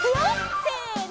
せの！